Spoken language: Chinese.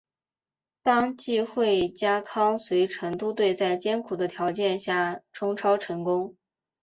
当季惠家康随成都队在艰苦的条件下冲超成功。